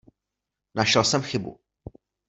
Našel jsem chybu.